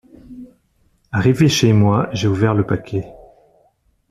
Arrivé chez moi, j’ai ouvert le paquet.